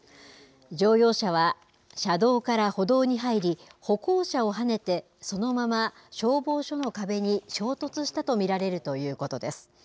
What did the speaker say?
乗用車は車道から歩道に入り、歩行者をはねてそのまま消防署の壁に衝突したと見られるということです。